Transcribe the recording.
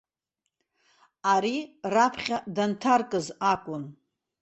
Ари раԥхьа данҭаркыз акәын.